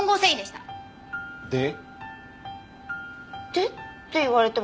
「で？」って言われても。